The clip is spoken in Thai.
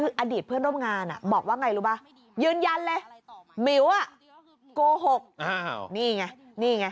นี่ไงนี่ไง